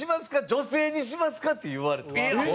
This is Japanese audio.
女性にしますか？」って言われたんですよ。